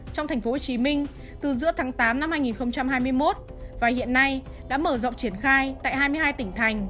trong tp hcm từ giữa tháng tám năm hai nghìn hai mươi một và hiện nay đã mở rộng triển khai tại hai mươi hai tỉnh thành